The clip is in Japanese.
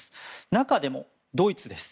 中でもドイツです。